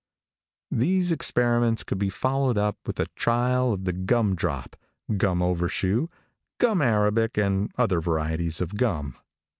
These experiments could be followed up with a trial of the gum drop, gum overshoe, gum arabic and other varieties of gum.